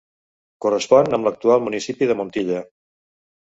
Correspon amb l'actual municipi de Montilla.